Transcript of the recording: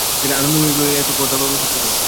আনন্দময়ী কহিলেন, এ কথা কখনোই সত্য নয়।